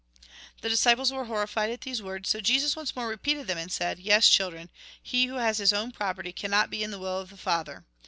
The disciples were horrified at these words, so Jesus once more repeated them, and said :" Yes, children, he who has his own property, cannot be in the will of the Father.